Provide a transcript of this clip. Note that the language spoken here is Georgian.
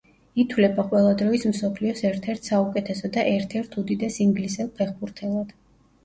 ითვლება ყველა დროის მსოფლიოს ერთ-ერთ საუკეთესო და ერთ-ერთ უდიდეს ინგლისელ ფეხბურთელად.